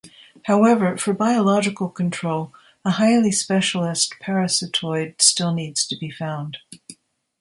However, for biological control a highly specialist parasitoid still needs to be found.